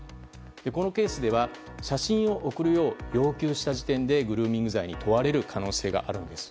このケースでは、写真を送るよう要求した時点でグルーミング罪に問われる可能性があるんです。